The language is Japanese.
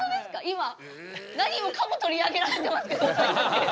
今何もかも取り上げられてますけど私たち。